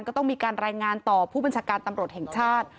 ก็ต้องมีการรายงานต่อผู้บัญชาการตำรวจแห่งชาติ